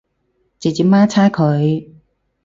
直接媽叉佢